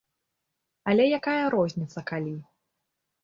Але якая розніца калі?